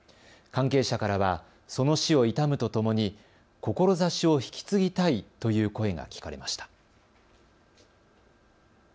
関係者からはその死を悼むとともに志を引き継ぎたいという声が聞かれました。